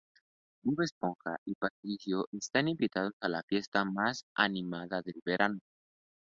Bob Esponja y Patricio están invitados a la fiesta más animada del verano.